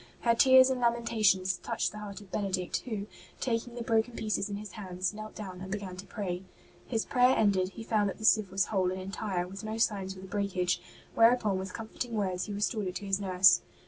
Her tears and lamentations touched the heart of Benedict, who, taking the broken pieces in his hands, knelt down and began to pray. His prayer ended, he found that the sieve was whole and entire, with no sign of the breakage, whereupon with comforting words he restored it to his nurse.